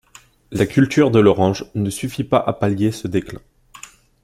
La culture de l'orange ne suffit pas à pallier ce déclin.